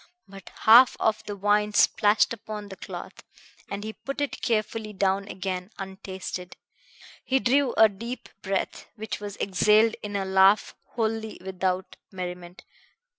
But half of the wine splashed upon the cloth, and he put it carefully down again untasted. He drew a deep breath, which was exhaled in a laugh wholly without merriment.